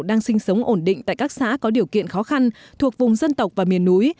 đang sinh sống ổn định tại các xã có điều kiện khó khăn thuộc vùng dân tộc và miền núi